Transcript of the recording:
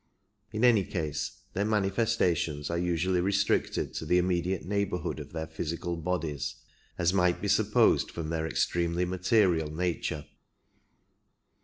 In any case their manifestations are usually restricted to the immediate neighbourhood of their physical bodies, as might be supposed from their extremely material nature.